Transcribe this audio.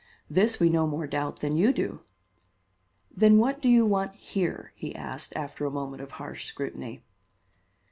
This we no more doubt than you do." "Then what do you want here?" he asked, after a moment of harsh scrutiny.